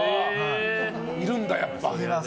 いるんだ、やっぱ。